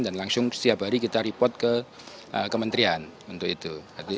dan langsung setiap hari kita report ke kementerian untuk itu